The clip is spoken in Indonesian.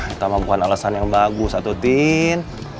itu mah bukan alasan yang bagus tuh tin